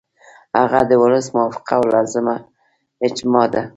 هغه د ولس موافقه او لازمه اجماع ده.